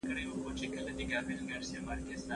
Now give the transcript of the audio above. چې وروسته په مادي خزانو بدلې شوې.